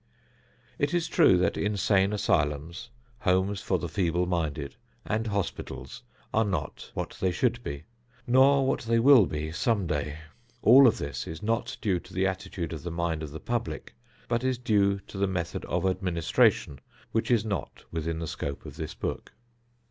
It is true that insane asylums, homes for the feeble minded, and hospitals are not what they should be, nor what they will be some day. All of this is not due to the attitude of the mind of the public, but is due to the method of administration which is not within the scope of this book.